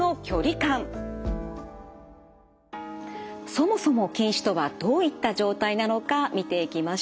そもそも近視とはどういった状態なのか見ていきましょう。